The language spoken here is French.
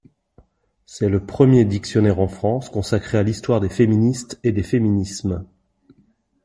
C'est le premier dictionnaire en France, consacré à l’histoire des féministes et des féminismes.